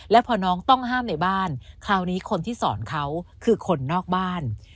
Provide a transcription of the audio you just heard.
และพอน้องต้องห้ามในบ้านคราวนี้คนที่สอนเขาคือคนนอกบ้าน